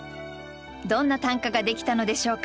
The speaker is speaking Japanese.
どんな短歌ができたのでしょうか？